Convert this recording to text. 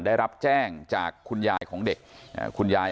ได้รับแจ้งจากคุณยายของเด็กคุณยาย